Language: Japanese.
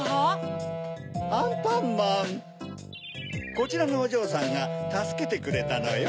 こちらのおじょうさんがたすけてくれたのよ。